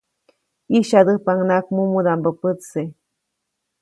ʼYisyadäjpaʼuŋnaʼak mumudaʼmbä pätse.